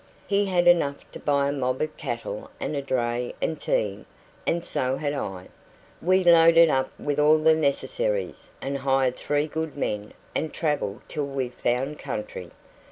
He had enough to buy a mob of cattle and a dray and team, and so had I. We loaded up with all the necessaries, and hired three good men, and travelled till we found country.